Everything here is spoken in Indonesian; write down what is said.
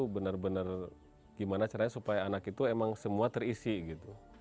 benar benar gimana caranya supaya anak itu emang semua terisi gitu